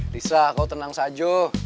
lisa kau tenang saja